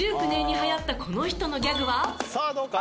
さあどうか？